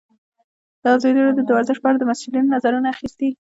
ازادي راډیو د ورزش په اړه د مسؤلینو نظرونه اخیستي.